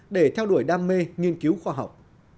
để theo đuổi đam mê nghiên cứu khoa học